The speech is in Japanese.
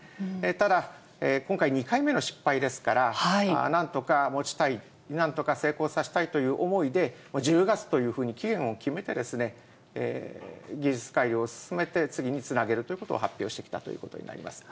ただ、今回２回目の失敗ですから、なんとかもちたい、なんとか成功させたいという思いで、１０月というふうに期限を決めて、技術改良を進めて、次につなげるということを発表してきたということになります。